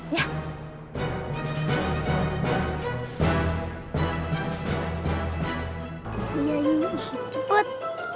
ya iya cepat